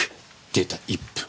出た１分。